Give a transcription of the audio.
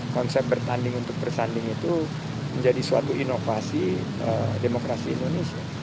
konsep bertanding untuk bersanding itu menjadi suatu inovasi demokrasi indonesia